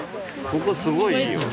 ここすごいいいよ。